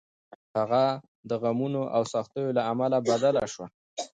هغه د غمونو او سختیو له امله بدله شوه.